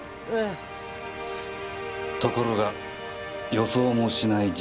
ところが予想もしない事態になった。